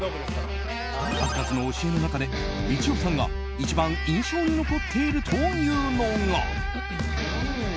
数々の教えの中で、みちおさんが一番印象に残っているというのが。